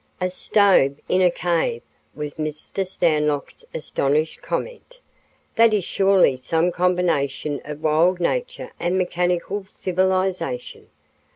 "A stove in a cave!" was Mr. Stanlock's astonished comment. "That is surely some combination of wild nature and mechanical civilization.